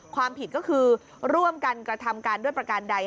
ความผิดก็คือร่วมกันกระทำการด้วยประการใด